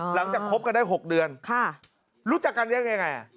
อ๋อหลังจากคบกันได้หกเดือนค่ะรู้จักกันเรื่องยังไง